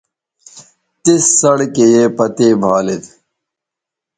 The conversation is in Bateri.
تس سڑکے یے پتے بھالید